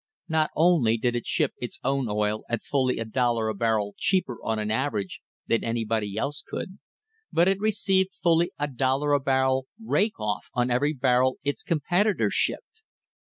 Not only did it ship its own oil at fully a dollar a barrel cheaper on an average than anybody else could, but it received fully a dollar a barrel "rake off" on every barrel its competitors shipped.